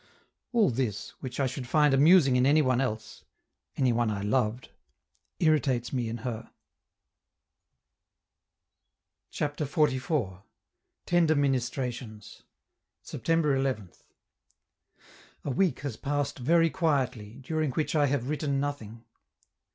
All this, which I should find amusing in any one else, any one I loved irritates me in her. CHAPTER XLIV. TENDER MINISTRATIONS September 11th. A week has passed very quietly, during which I have written nothing.